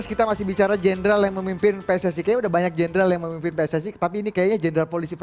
kami akan segera kembali